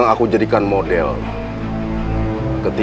aku akan mencari